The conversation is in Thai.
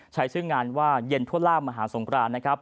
ใช้ชื่องานว่าเย็นทั่วล่ามหาสงครานนะครับ